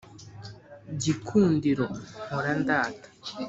gikundiro mpora ndata